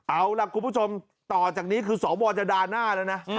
เอาล่ะคุณผู้ชมต่อจากนี้คือสวจะด่าหน้าแล้วนะ